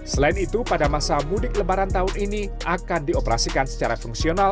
selain itu pada masa mudik lebaran tahun ini akan dioperasikan secara fungsional